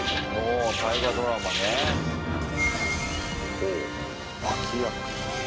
ほう、脇役。